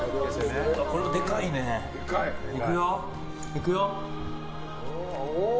いくよ。